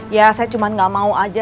ya saya cuma nggak mau aja